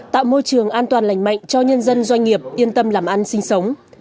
tạo môi trường an toàn lành mạnh cho nhân dân doanh nghiệp yên tâm làm ăn sinh sống